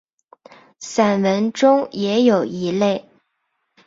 散文中也有一类。